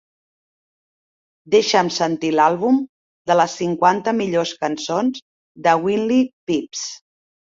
Deixa'm sentir l'àlbum de les cinquanta millors cançons de Wintley Phipps.